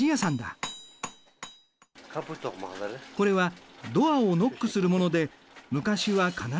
これはドアをノックするもので昔は必ずついていたそうだ。